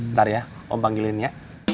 ntar ya om panggilin ya